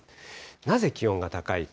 なぜ、気温が高いか。